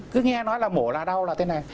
cứ nghe nói là mổ là đau là thế này